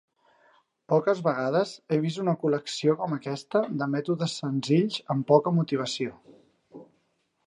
Poques vegades he vist una col·lecció com aquesta de mètodes senzills amb poca motivació.